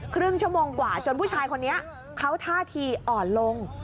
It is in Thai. ครึ่งชั่วโมงกว่าจนผู้ชายคนนี้เขาท่าทีอ่อนลง